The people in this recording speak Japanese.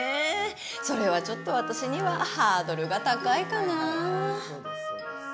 それはちょっと私にはハードルが高いかな。